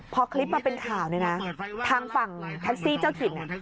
พอคลิปมาเป็นข่าวเนี่ยนะทางฝั่งแท็กซี่เจ้าถิ่น